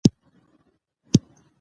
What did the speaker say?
مطالعه د انسان د فکر سطحه لوړه وي